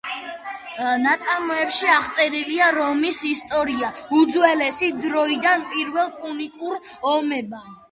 ნაშრომში აღწერილია რომის ისტორია უძველესი დროიდან პირველ პუნიკურ ომამდე.